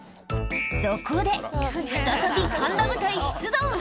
そこで、再びパンダ部隊出動。